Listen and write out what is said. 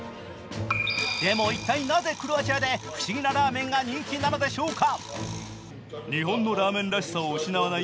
でも、一体なぜクロアチアで不思議なラーメンが人気なのでしょうか。